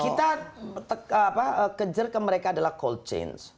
kita kejar ke mereka adalah cold chain